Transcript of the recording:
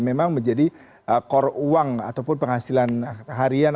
memang menjadi core uang ataupun penghasilan harian